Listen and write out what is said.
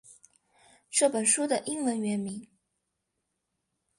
这本书的英文原名